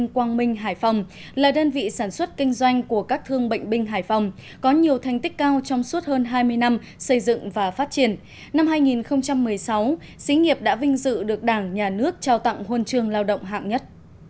quang minh hải phòng là đơn vị sản xuất kinh doanh của các thương bệnh binh hải phòng có nhiều thành tích cao trong suốt hơn hai mươi năm xây dựng và phát triển năm hai nghìn một mươi sáu xí nghiệp đã vinh dự được đảng nhà nước trao tặng huân trường lao động hạng nhất